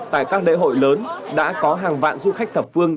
tại các lễ hội lớn đã có hàng vạn du khách thập phương